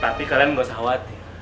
tapi kalian gak usah khawatir